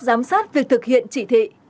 giám sát việc thực hiện chỉ thị